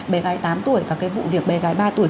bé gái tám tuổi và cái vụ việc bé gái ba tuổi